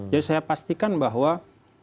jadi saya pastikan bahwa ketika ada proses penjualan